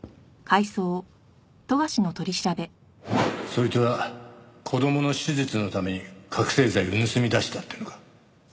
そいつは子供の手術のために覚醒剤を盗み出したっていうのか？